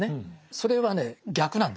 それはね逆なんです